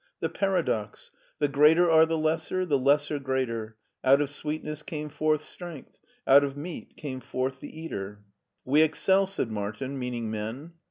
The paradox : the greater are the lesser ; the lesser, greater. Out of sweetness came forth strength. Out of meat came forth the eater." We excel," said Martin, meaning men.